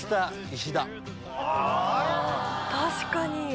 確かに！